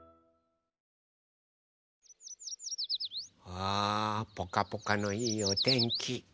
あぽかぽかのいいおてんき。